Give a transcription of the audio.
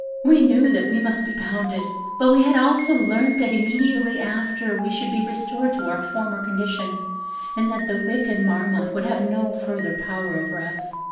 "We knew that we must be pounded; but we had also learnt that immediately after we should be restored to our former condition, and that the wicked Marmotte would have no further power over us.